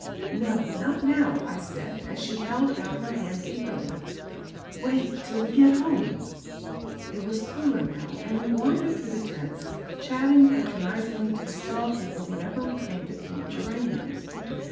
"No, not now," I said, as she held out her hand eagerly. "Wait till we get home." It was cooler now, and we wandered through the tents, chatting patronizingly to the stall keeper whenever we came to pink geraniums.